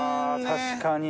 確かに。